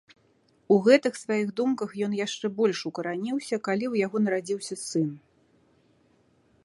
У гэтых сваіх думках ён яшчэ больш укараніўся, калі ў яго нарадзіўся сын.